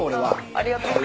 ありがとう。